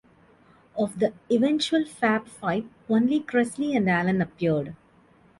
Of the eventual Fab Five, only Kressley and Allen appeared.